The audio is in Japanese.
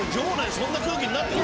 そんな空気になってる。